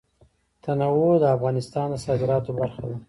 تنوع د افغانستان د صادراتو برخه ده.